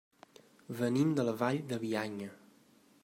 Venim de la Vall de Bianya.